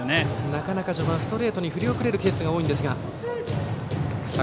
なかなか序盤ストレートに振り遅れるケースが多いんですが。